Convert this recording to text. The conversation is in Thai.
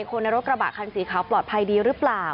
คนในรถกระบะคันสีขาวปลอดภัยดีหรือเปล่า